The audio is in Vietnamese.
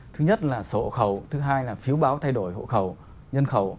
thứ nhất là sổ hộ khẩu thứ hai là phiếu báo thay đổi hộ khẩu nhân khẩu